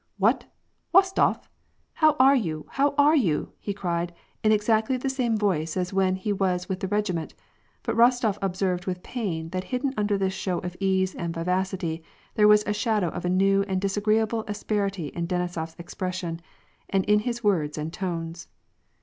" What ? Wostof ? How are you, how are you ?" he cried, in exactly the same voice as when he was with the regiment, but Rostof observed with pain that hidden under this show of ease and vivacity, there was a shadow of a new and disagreea ble asperity in Denisof's expression, and in his words and tones.